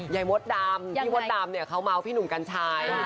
พี่มดดำเขาม้าวพี่หนุ่มกันชาย